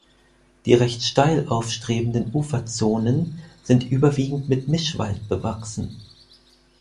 Die recht steil aufstrebenden Uferzonen sind überwiegend mit Mischwald bewachsen.